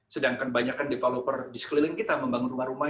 sedangkan banyakkan developer di sekeliling kita membangun rumah rumah